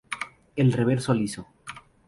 El reverso liso.